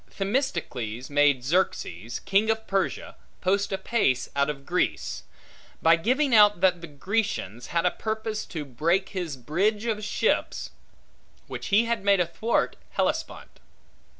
Themistocles made Xerxes, king of Persia, post apace out of Grecia, by giving out, that the Grecians had a purpose to break his bridge of ships, which he had made athwart Hellespont.